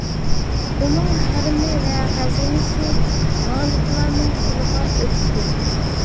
ئۇنىڭ ھەرىمى ۋە خەزىنىسى غالىبلارنىڭ قولىغا ئۆتتى.